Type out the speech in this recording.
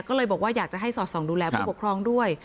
ก็เลยบอกว่าอยากจะให้สอดส่องดูแลผู้ปกครองด้วย